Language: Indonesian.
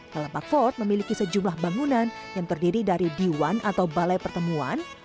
lalbagh fort memiliki sejumlah bangunan yang terdiri dari diwan atau balai pertemuan